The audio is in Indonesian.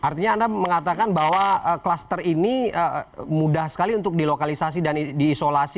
artinya anda mengatakan bahwa kluster ini mudah sekali untuk dilokalisasi dan diisolasi